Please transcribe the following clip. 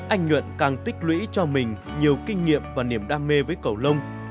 anh nhuận càng tích lũy cho mình nhiều kinh nghiệm và niềm đam mê với cầu lông